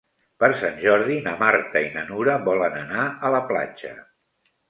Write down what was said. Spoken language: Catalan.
Per Sant Jordi na Marta i na Nura volen anar a la platja.